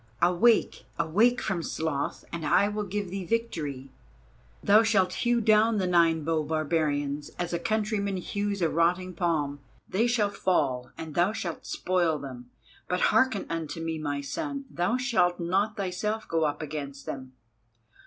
Awake, awake from sloth, and I will give thee victory. Thou shalt hew down the Nine bow barbarians as a countryman hews a rotting palm; they shall fall, and thou shalt spoil them. But hearken unto me, my son, thou shalt not thyself go up against them.